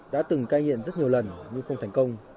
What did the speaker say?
đã từng cai nghiện rất nhiều lần nhưng không thành công